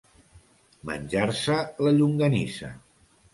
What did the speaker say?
Menjar-se la llonganissa.